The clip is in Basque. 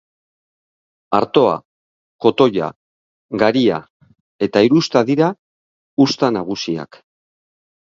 Artoa, kotoia, garia eta hirusta dira uzta nagusiak.